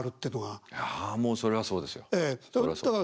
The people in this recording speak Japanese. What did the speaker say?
いやもうそれはそうですよ。